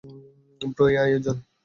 Bro, এই আয়োজন!